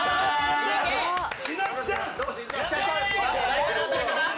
ちなっちゃん。